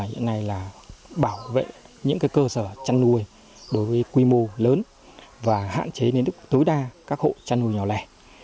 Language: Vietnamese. hiện nay là bảo vệ những cơ sở chăn nuôi đối với quy mô lớn và hạn chế đến tối đa các hộ chăn nuôi nhỏ lẻ